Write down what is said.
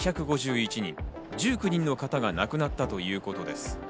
１９人の方が亡くなったということです。